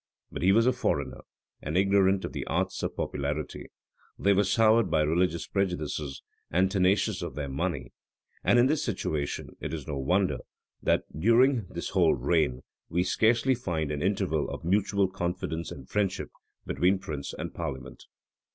But he was a foreigner, and ignorant of the arts of popularity; they were soured by religious prejudices, and tenacious of their money: and in this situation it is no wonder, that during this whole reign we scarcely find an interval of mutual confidence and friendship between prince and parliament.